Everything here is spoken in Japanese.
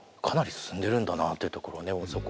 かなり進んでるんだなあというところをね